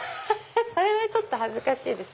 それはちょっと恥ずかしいです。